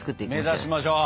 目指しましょう。